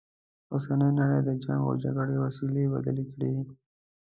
اوسنۍ نړی د جنګ و جګړې وسیلې بدل کړي.